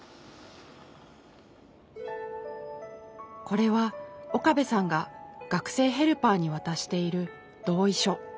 これは岡部さんが学生ヘルパーに渡している「同意書」。